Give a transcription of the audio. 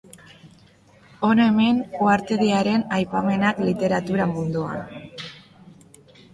Hona hemen uhartediaren aipamenak literatura munduan.